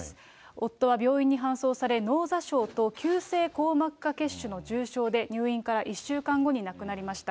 夫は病院に搬送され、脳挫傷と急性硬膜下血腫の重傷で、入院から１週間後に亡くなりました。